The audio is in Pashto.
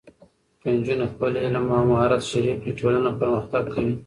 که نجونې خپل علم او مهارت شریک کړي، ټولنه پرمختګ کوي.